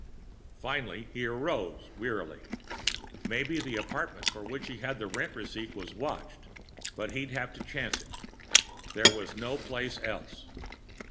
Finally, he arose wearily. Maybe the apartment for which he had the rent receipt was watched but he'd have to chance it. There was no place else.